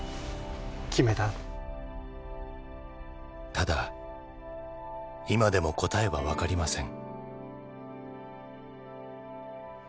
ただ今でも答えはわかりません。